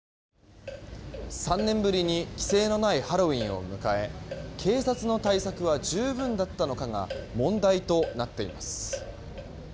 ３年ぶりに規制のないハロウィーンを迎え警察の対策は十分だったのかが問題となっています。